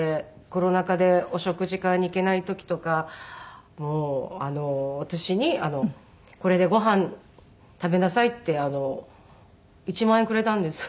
コロナ禍でお食事会に行けない時とかもう私に「これでごはん食べなさい」って１万円くれたんです。